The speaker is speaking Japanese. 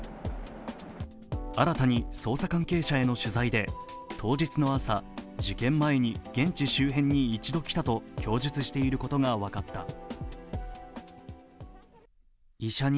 新たに、捜査関係者への取材で当日の朝、事件前に現地周辺に一度来たと供述していることが分かった。